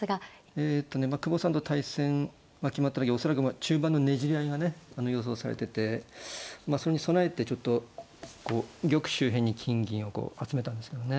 えとね久保さんと対戦決まった時恐らく中盤のねじり合いがね予想されててそれに備えてちょっとこう玉周辺に金銀を集めたんですけどね。